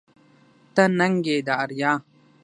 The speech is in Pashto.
ته ننگ يې د اريا